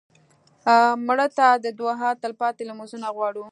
مړه ته د دعا تلپاتې لمونځونه غواړو